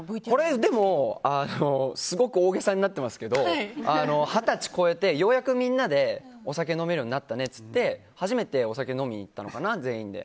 でも、すごく大げさになっていますけど二十歳超えて、ようやくみんなでお酒飲めるようになったねって言って初めてお酒を飲みに行ったのかな全員で。